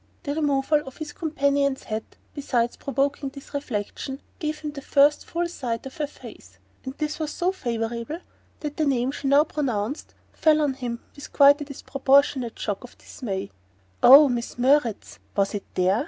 The removal of his companion's hat, besides provoking this reflection, gave him his first full sight of her face; and this was so favourable that the name she now pronounced fell on him with a quite disproportionate shock of dismay. "Oh, Mrs. Murrett's was it THERE?"